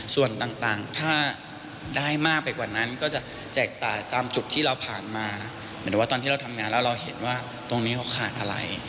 ส่วนต่างถ้าได้มากไปกว่านั้นก็จะแจกจ่ายตามจุดที่เราผ่านมาหมายถึงว่าตอนที่เราทำงานแล้วเราเห็นว่าตรงนี้เขาขาดอะไร